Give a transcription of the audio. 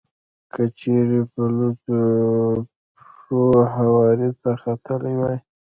که چېرې په لوڅو پښو هوارې ته ختلی وای.